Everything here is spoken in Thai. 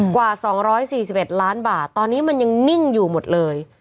กว่า๒๔๑ล้านบาทตอนนี้มันยังนิ่งอยู่หมดเลย